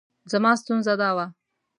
زما ستونزه دا وه.